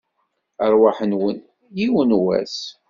Rrwaḥ-nwen, yiwen n wass!